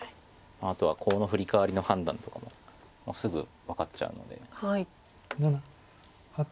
あとはコウのフリカワリの判断とかもすぐ分かっちゃうので。